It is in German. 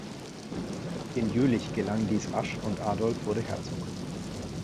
In Jülich gelang dies rasch und Adolf wurde Herzog.